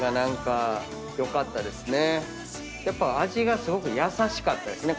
やっぱ味がすごく優しかったですね。